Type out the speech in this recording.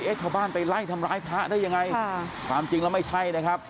ชาวบ้านไปไล่ทำร้ายพระได้ยังไงค่ะความจริงแล้วไม่ใช่นะครับ